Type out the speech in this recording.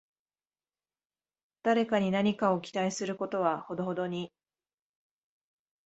誰かに何かを期待することはほどほどに